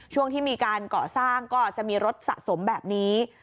ช่วงที่มีการก่อสร้างก็จะมีรถสะสมแบบนี้